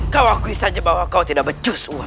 kau akui saja bahwa kau tidak becus uang